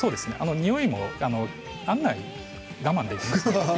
においも案外、我慢できます。